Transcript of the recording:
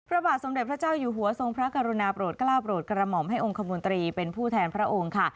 พระบาทสมเด็จพระเจ้าอยู่หัวทรงพระกรุณาโปรดกล้าวโปรดกระหม่อมให้องค์คมนตรีเป็นผู้แทนพระองค์ค่ะ